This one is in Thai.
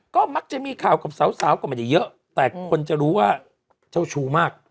ก็มักจะมีข่าวกับสาวก็ไม่ได้เยอะแต่คนจะรู้ว่าเจ้าชู้มาก